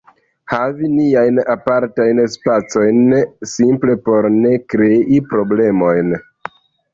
havi niajn apartajn spacojn simple por ne krei problemojn.